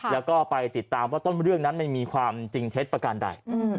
แล้วก็ไปติดตามว่าต้นเรื่องนั้นมันมีความจริงเท็จประการใด